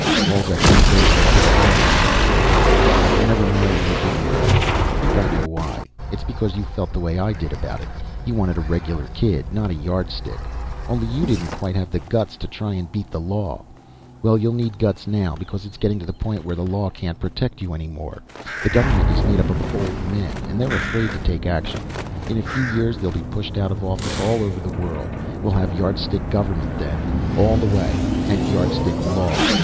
Wolzek moved over and put his hand on Eric's shoulder. "You never married, did you, Eric? I think I know why. It's because you felt the way I did about it. You wanted a regular kid, not a Yardstick. Only you didn't quite have the guts to try and beat the law. Well, you'll need guts now, because it's getting to the point where the law can't protect you any more. The government is made up of old men, and they're afraid to take action. In a few years they'll be pushed out of office all over the world. We'll have Yardstick government then, all the way, and Yardstick law.